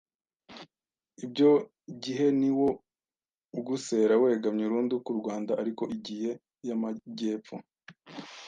Ibyo gihe ni wo u ugesera wegamye urundu ku Rwanda ariko igie y’amagepfo